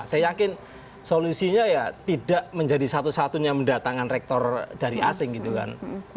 saya yakin solusinya ya tidak menjadi satu satunya mendatangkan rektor dari asing gitu kan